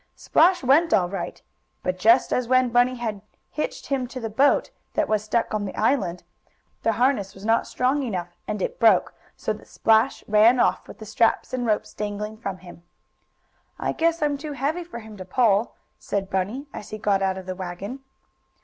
Splash went all right, but just as when Bunny had hitched him to the boat, that was stuck on the island, the harness was not strong enough, and it broke, so that Splash ran off, with the straps and ropes dangling from him. "I guess I'm too heavy for him to pull," said Bunny, as he got out of the wagon.